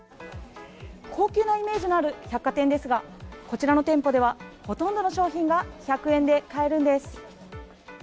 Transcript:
高級なイメージのある百貨店ですがこちらの店舗ではほとんどの商品が１００円で買えるんです。